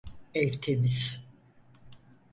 Ev temiz.